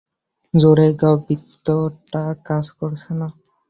জোরে গাও, বৃত্তটা কাজ করছে না!